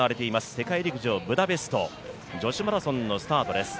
世界陸上ブダペスト女子マラソンのスタートです。